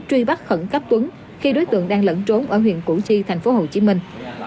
truy bắt khẩn cấp tuấn khi đối tượng đang lẫn trốn ở huyện củ chi thành phố hồ chí minh